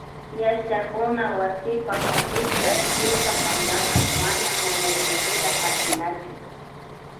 Yachakuna wasipa hatushka killka pankaka mana manukullita hapinachu